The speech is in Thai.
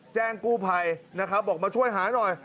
แจ้งกู้ภัยนะครับบอกมาช่วยหาหน่อย